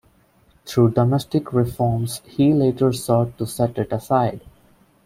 Through domestic reforms he later sought to set it aside.